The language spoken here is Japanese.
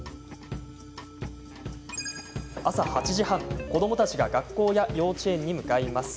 朝８時半、子どもたちが学校や幼稚園へ向かいます。